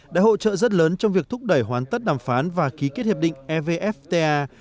đã hỗ trợ rất lớn trong việc thúc đẩy hoàn tất đàm phán và ký kết hiệp định evfta